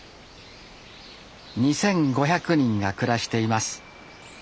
２，５００人が暮らしています。